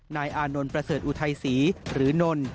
นายอานนท์ประเสริฐอุทัยศรีหรือนน